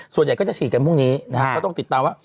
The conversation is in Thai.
ส่วนใหญ่ก็จะฉีดกันพรุ่งนี้นะฮะก็ต้องติดตามว่า